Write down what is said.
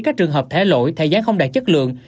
các trường hợp thẻ lỗi thẻ gián không đạt chất lượng